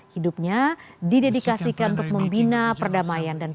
hidupnya didedikasikan untuk membina perdamaian dan